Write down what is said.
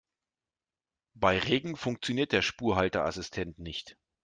Bei Regen funktioniert der Spurhalteassistent nicht.